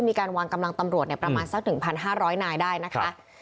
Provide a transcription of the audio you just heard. มีการวางกำลังตำรวจประมาณสัก๑๕๐๐นายได้นะคะ